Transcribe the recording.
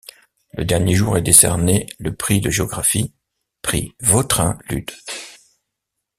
Le dernier jour est décerné le prix de géographie, prix Vautrin Lud.